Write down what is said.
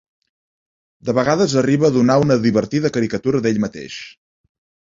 De vegades, arriba a donar una divertida caricatura d'ell mateix.